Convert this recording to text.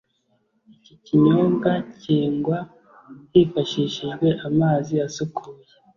Iki Kinyobwa cyengwa hifashishijwe amazi asukuye